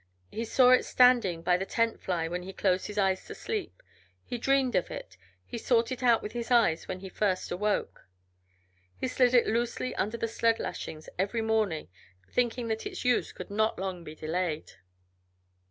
He saw it standing by the tent fly when he closed his eyes to sleep; he dreamed of it; he sought it out with his eyes when he first awoke. He slid it loosely under the sled lashings every morning, thinking that its use could not long be delayed.